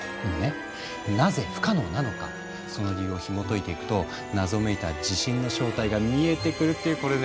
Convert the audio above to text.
なぜ不可能なのかその理由をひもといていくと謎めいた地震の正体が見えてくるっていうこれね。